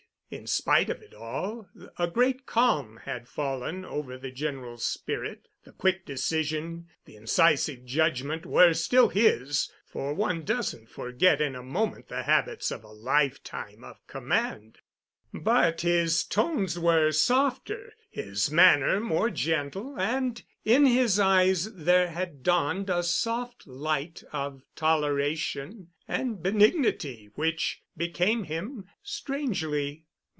In spite of it all, a great calm had fallen over the General's spirit. The quick decision, the incisive judgment, were still his—for one doesn't forget in a moment the habits of a lifetime of command—but his tones were softer, his manner more gentle, and in his eyes there had dawned a soft light of toleration and benignity which became him strangely.